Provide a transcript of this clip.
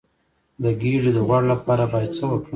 د ګیډې د غوړ لپاره باید څه وکړم؟